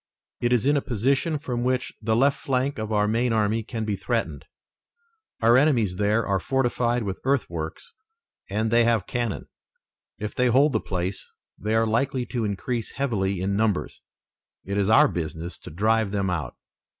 "It is in a position from which the left flank of our main army can be threatened. Our enemies there are fortified with earthworks and they have cannon. If they hold the place they are likely to increase heavily in numbers. It is our business to drive them out."